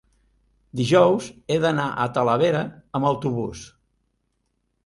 dijous he d'anar a Talavera amb autobús.